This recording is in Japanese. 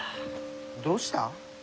どうした？